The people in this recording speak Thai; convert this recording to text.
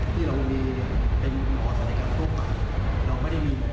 ที่เรามีเป็นหมอใศกรรมไม่ได้บริหาร